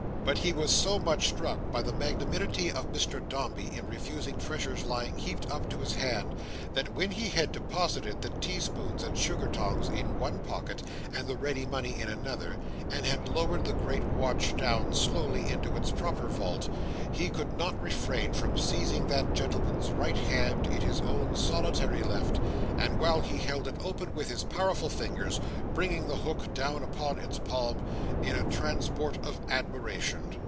But he was so much struck by the magnanimity of Mr Dombey, in refusing treasures lying heaped up to his hand, that when he had deposited the teaspoons and sugar tongs in one pocket, and the ready money in another, and had lowered the great watch down slowly into its proper vault, he could not refrain from seizing that gentleman's right hand in his own solitary left, and while he held it open with his powerful fingers, bringing the hook down upon its palm in a transport of admiration.